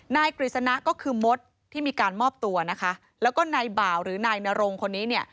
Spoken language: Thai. กฤษณะก็คือมดที่มีการมอบตัวนะคะแล้วก็นายบ่าวหรือนายนรงคนนี้เนี่ย